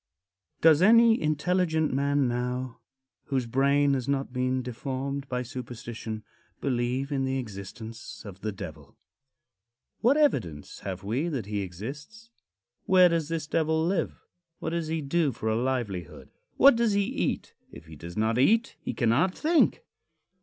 VI. Does any intelligent man now, whose brain has not been deformed by superstition, believe in the existence of the Devil? What evidence have we that he exists? Where does this Devil live? What does he do for a livelihood? What does he eat? If he does not eat, he cannot think.